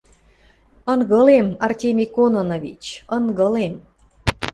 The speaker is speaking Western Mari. — Ынгылем, Артемий Кононович, ынгылем...